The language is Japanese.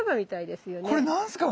これ何すか？